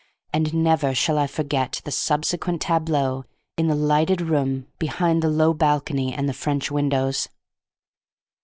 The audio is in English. And never shall I forget the subsequent tableaux in the lighted room behind the low balcony and the French windows.